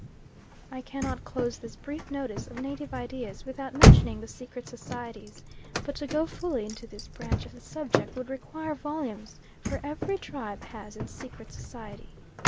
I cannot close this brief notice of native ideas without mentioning the secret societies; but to go fully into this branch of the subject would require volumes, for every tribe has its secret society.